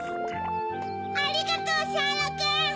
ありがとうシャーロくん！